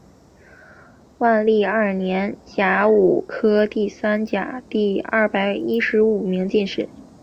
万历二年甲戌科第三甲第二百一十五名进士。